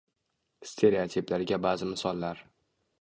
Stereotiplarga ba’zi misollar.